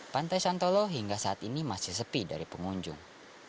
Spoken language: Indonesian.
pantai santolo hingga saat ini masih sepi dari pengunjung